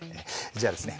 じゃあですね